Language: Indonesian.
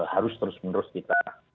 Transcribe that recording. harus terus menerus kita